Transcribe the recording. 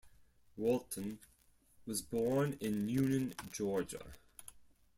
Walton was born in Newnan, Georgia.